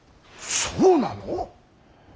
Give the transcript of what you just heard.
そうなの！？